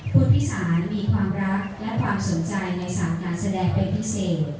ผู้พิสารมีความรักและความสนใจในสายการแสดงเป็นพิเศษ